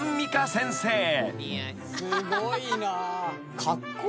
・すごいな。